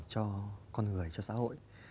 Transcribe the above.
cho con người cho xã hội